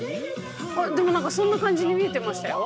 でも何かそんな感じに見えてましたよ。